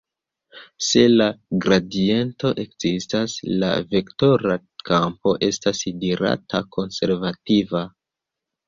Se la gradiento ekzistas, la vektora kampo estas dirata konservativa.